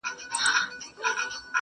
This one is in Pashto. په هغه ورځ به يو لاس ورنه پرې كېږي؛